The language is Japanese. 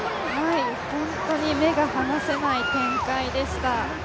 本当に目が離せない展開でした。